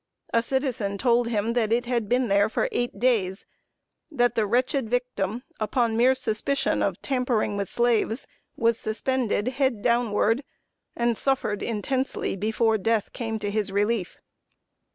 A citizen told him that it had been there for eight days; that the wretched victim, upon mere suspicion of tampering with slaves, was suspended, head downward, and suffered intensely before death came to his relief.